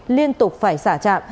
liên tục phải xả trạm